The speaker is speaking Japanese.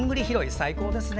最高ですね。